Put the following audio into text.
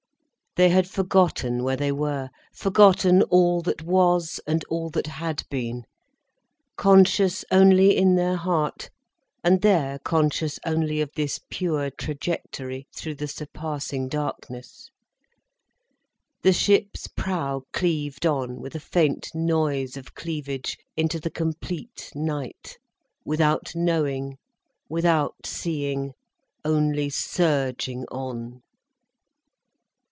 They had forgotten where they were, forgotten all that was and all that had been, conscious only in their heart, and there conscious only of this pure trajectory through the surpassing darkness. The ship's prow cleaved on, with a faint noise of cleavage, into the complete night, without knowing, without seeing, only surging on.